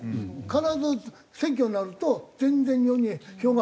必ず選挙になると全然日本に票が入らなくて。